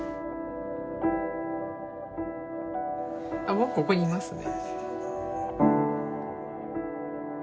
僕、ここにいますね。